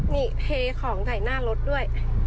นี่เทของใส่หน้ารถด้วย